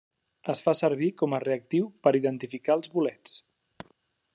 Es fa servir com reactiu per identificar els bolets.